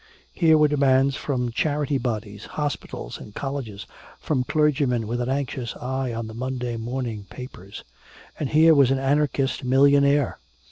Here were demands from charity bodies, hospitals and colleges, from clergymen with an anxious eye on the Monday morning papers. And here was an anarchist millionaire!